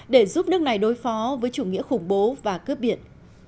để giúp nước này đối phó với chủ nghĩa khủng bố và cướp biển